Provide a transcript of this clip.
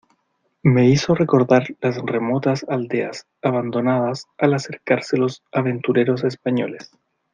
me hizo recordar las remotas aldeas abandonadas al acercarse los aventureros españoles.